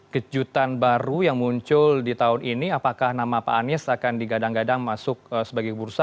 kejutan baru yang muncul di tahun ini apakah nama pak anies akan digadang gadang masuk sebagai bursa